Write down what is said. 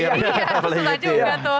iya yang nyetir